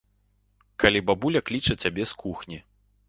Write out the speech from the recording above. Калі бабуля кліча цябе з кухні.